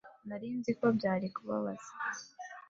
Nari nzi ko byari kubabaza